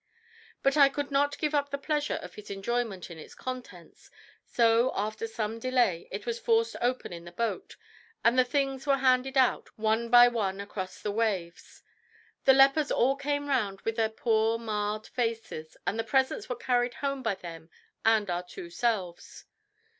But I could not give up the pleasure of his enjoyment in its contents, so after some delay it was forced open in the boat, and the things were handed out one by one across the waves. The lepers all came round with their poor marred faces, and the presents were carried home by them and our two selves.